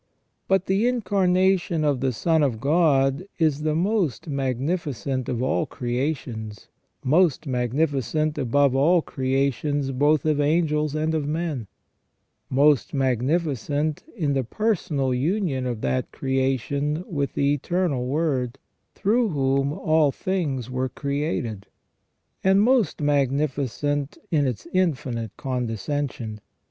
But the Incarnation of the Son of God is the most magni ficent of all creations, most magnificent above all creations both of angels and of men ; most magnificent in the personal union of that creation with the Eternal Word, through whom all things were created ; and most magnificent in its infinite condescension.